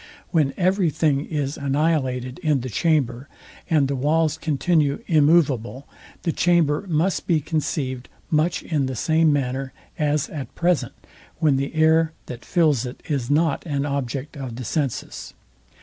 When every thing is annihilated in the chamber, and the walls continue immoveable, the chamber must be conceived much in the same manner as at present, when the air that fills it, is not an object of the senses.